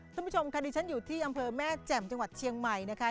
คุณผู้ชมค่ะดิฉันอยู่ที่อำเภอแม่แจ่มจังหวัดเชียงใหม่นะคะ